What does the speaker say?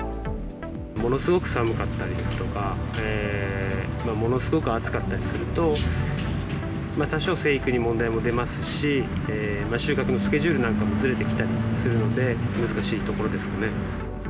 ものすごく寒かったりですとか、ものすごく暑かったりすると、多少、生育に問題も出ますし、収穫のスケジュールなんかもずれてきたりするので、難しいところですかね。